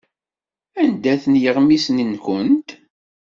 Anda-ten yeɣmisen-nwent?